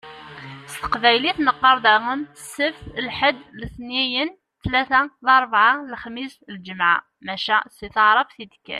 S teqbaylit neqqaṛ daɣen: Sebt, lḥed, letniyen, ttlata, larbɛa, lexmis, lǧemɛa. Maca si taɛrabt i d-kkan.